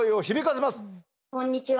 こんにちは。